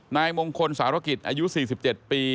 นายมงคลสารกิจอายุ๔๗ปี